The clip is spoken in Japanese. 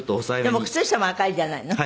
でも靴下も赤いじゃないの。